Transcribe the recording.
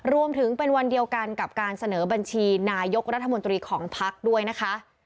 รวมถึงเป็นวันเดียวกันกับการเสนอบัญชีนายกรัฐมนตรีของพักด้วยนะคะ